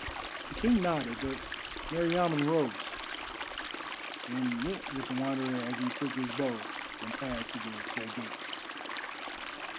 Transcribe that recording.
The King nodded, but Meriamun rose, and went with the Wanderer as he took his bow and passed to the great gates.